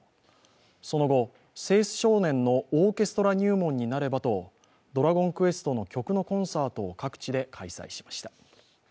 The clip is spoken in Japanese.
その後、青少年のオーケストラ入門になればと「ドラゴンクエスト」の曲のコンサートを各地で開催しました。